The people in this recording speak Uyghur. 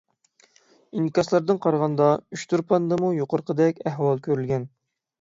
ئىنكاسلاردىن قارىغاندا ئۇچتۇرپاندىمۇ يۇقىرىقىدەك ئەھۋال كۆرۈلگەن.